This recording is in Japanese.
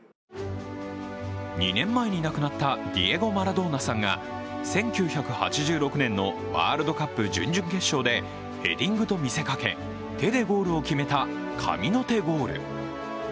２年前に亡くなったディエゴ・マラドーナさんが１９８６年のワールドカップ準々決勝でヘディングと見せかけ手でゴールを決めた神の手ゴール。